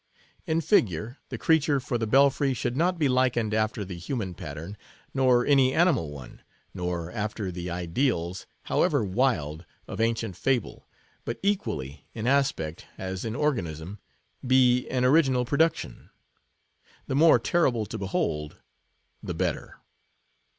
In figure, the creature for the belfry should not be likened after the human pattern, nor any animal one, nor after the ideals, however wild, of ancient fable, but equally in aspect as in organism be an original production; the more terrible to behold, the better.